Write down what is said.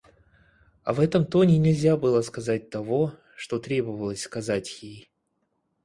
А в этом тоне нельзя было сказать того, что требовалось сказать ей.